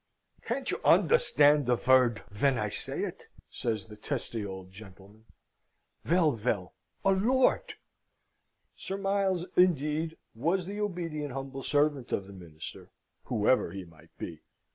"Can't you understand de vort, ven I say it?" says the testy old gentleman. "Vell, veil, a Lort!" Sir, Miles indeed was the obedient humble servant of the Minister, whoever he might be.